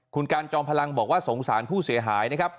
คุณการจอมพลังบอกว่าสงสารผู้เสียหายนะครับ